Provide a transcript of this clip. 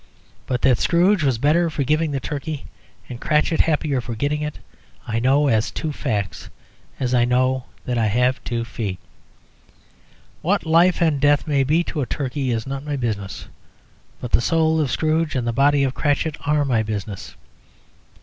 But that Scrooge was better for giving the turkey and Cratchit happier for getting it I know as two facts, as I know that I have two feet. What life and death may be to a turkey is not my business; but the soul of Scrooge and the body of Cratchit are my business.